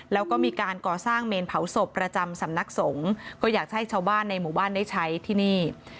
แล้วก็มีการก่อสร้างเมนเผาศพประจำสำนักสงฆ์ก็อยากจะให้ชาวบ้านในหมู่บ้านได้ใช้ที่นี่